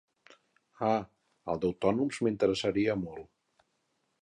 Ah, el d'autònoms m'interessaria molt.